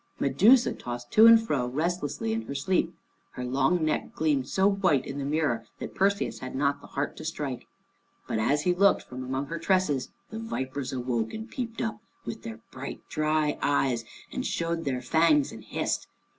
Medusa tossed to and fro restlessly in her sleep. Her long neck gleamed so white in the mirror that Perseus had not the heart to strike. But as he looked, from among her tresses the vipers' heads awoke and peeped up, with their bright dry eyes, and showed their fangs and hissed.